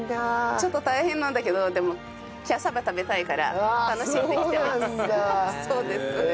ちょっと大変なんだけどでもキャッサバ食べたいから楽しんで来てます。へえ！